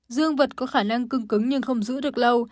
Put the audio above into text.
dương vật có khả năng cưng cứng nhưng không giữ được lâu